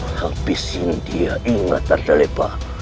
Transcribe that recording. habisin dia ingat azalepa